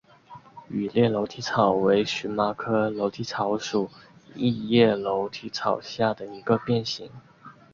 羽裂楼梯草为荨麻科楼梯草属异叶楼梯草下的一个变型。